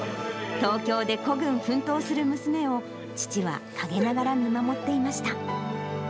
東京で孤軍奮闘する娘を、父は陰ながら見守っていました。